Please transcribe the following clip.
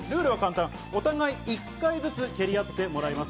お互い１回ずつ蹴り合ってもらいます。